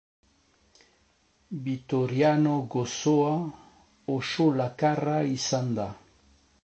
Bitoriano gozoa, oso lakarra izan da.